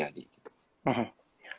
nah kalau bang joko udah